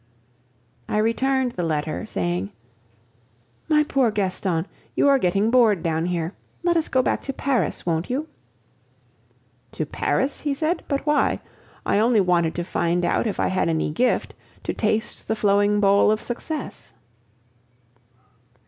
I returned the letter, saying: "My poor Gaston, you are getting bored down here. Let us go back to Paris, won't you?" "To Paris?" he said. "But why? I only wanted to find out if I had any gift, to taste the flowing bowl of success!"